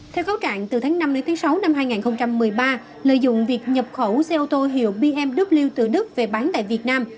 theo khấu trạng từ tháng năm đến tháng sáu năm hai nghìn một mươi ba lợi dụng việc nhập khẩu xe ô tô hiệu bmw từ đức về bán tại việt nam